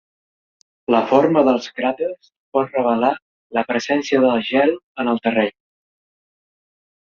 La forma dels cràters pot revelar la presència de gel en el terreny.